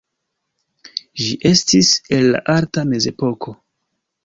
Ĝi estis el la alta mezepoko.